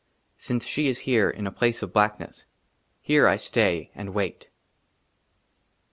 SINCE SHE IS HERE IN A PLACE OF BLACKNESS, HERE I STAY AND WAIT.